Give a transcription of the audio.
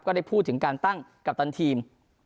ได้พูดถึงการตั้งกัปตันทีม